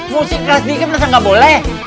musik kelas dikit bener bener gak boleh